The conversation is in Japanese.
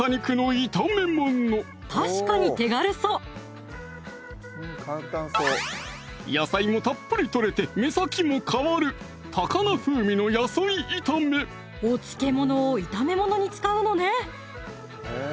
確かに手軽そう野菜もたっぷりとれて目先も変わるお漬物を炒めものに使うのね